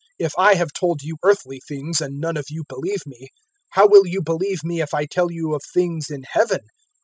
003:012 If I have told you earthly things and none of you believe me, how will you believe me if I tell you of things in Heaven?